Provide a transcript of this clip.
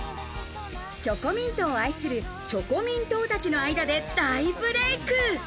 チョコミントを愛するチョコミン党たちの間で大ブレイク。